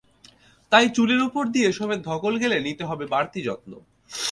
তাই চুলের ওপর দিয়ে এসবের ধকল গেলে নিতে হবে বাড়তি যত্ন।